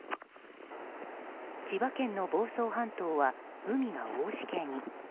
千葉県の房総半島は海がおおしけに。